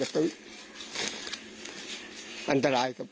มีเรื่องอะไรมาคุยกันรับได้ทุกอย่าง